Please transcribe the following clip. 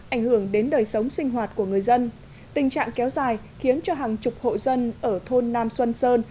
ảnh hưởng đến đời sống sinh hoạt của người dân tình trạng kéo dài khiến cho hàng chục hộ dân ở thôn nam xuân sơn